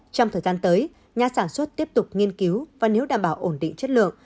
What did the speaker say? trong thời gian tới nhà sản xuất tiếp tục nghiên cứu và nếu đảm bảo ổn định chất lượng